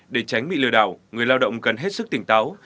để tránh bị lừa đảo người lao động cần hết sức tỉnh táo